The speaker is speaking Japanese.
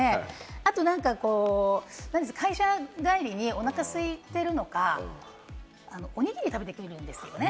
あと、会社帰りにおなかすいているのか、おにぎり食べてくるんですよね。